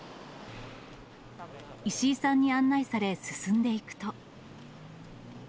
石井さんに案内され、進んでいくと。